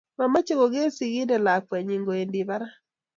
mamechei kogeer sigindet lakwenyi kowendi barak